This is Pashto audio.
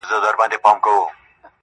چي په كالو بانـدې زريـــن نه ســـمــه,